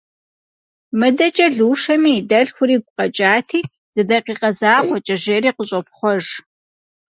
Мыдэкӏэ Лушэми и дэлъхур игу къэкӏати, зы дакъикъэ закъуэкӏэ жери, къыщӏопхъуэж.